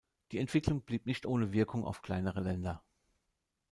Die Entwicklung blieb nicht ohne Wirkung auf kleinere Länder.